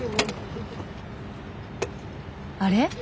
あれ？